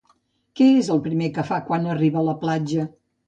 Què és el primer que fa quan arriba a la platja?